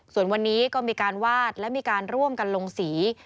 ส่วนวันนี้ก็มีการวาดและมีการร่วมกันลงสี